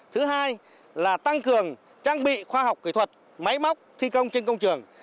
thứ hai là tăng cường trang bị khoa học kỹ thuật máy móc thi công trên công trường